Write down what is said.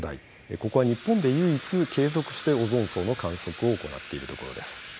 ここは日本で唯一継続的してオゾン層の観測を行っている所です。